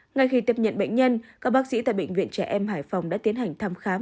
ngay khi tiếp nhận bệnh nhân các bác sĩ tại bệnh viện trẻ em hải phòng đã tiến hành thăm khám